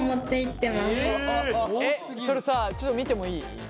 それさちょっと見てもいい？